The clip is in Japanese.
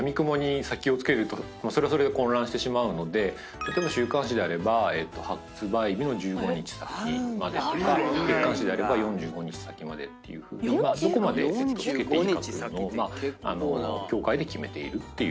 例えば週刊誌であれば発売日の１５日先までとか月刊誌であれば４５日先までっていうふうにどこまで付けていいかというのを協会で決めているっていう。